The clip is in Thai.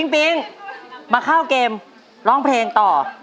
ปิ๊งมาเข้าเกมร้องเพลงต่อ